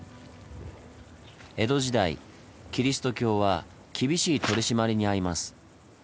江戸時代キリスト教は厳しい取り締まりにあいます。